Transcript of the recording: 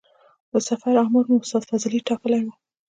د سفر امر مو استاد فضلي ټاکلی و.